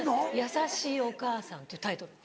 「優しいお母さん」っていうタイトル。